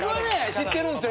知ってるんですよ